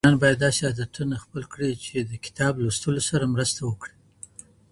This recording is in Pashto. ځوانان بايد داسي عادتونه خپل کړي چي د کتاب لوستلو سره مرسته وکړي.